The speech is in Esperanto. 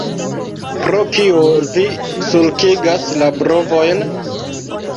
Pro kio vi sulkigas la brovojn?